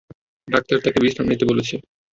Doctor তোকে বিশ্রাম নিতে বলেছে।